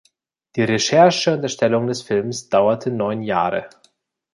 Die Recherche und Erstellung des Films dauerte neun Jahre.